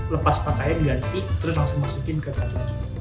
lepas pantai diganti terus langsung masukin ke kaki